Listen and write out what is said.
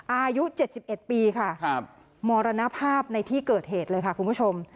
อายุเจ็ดสิบเอ็ดปีค่ะครับมรณภาพในที่เกิดเหตุเลยค่ะคุณผู้ชม